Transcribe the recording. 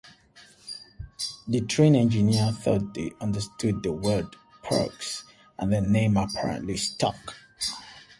The train engineer thought he understood the word Parks, and the name apparently stuck.